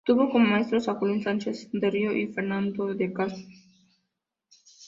Tuvo como maestros a Julián Sanz del Río y Fernando de Castro.